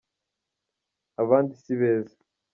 abandi sibeza